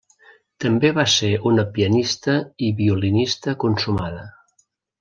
També va ser una pianista i violinista consumada.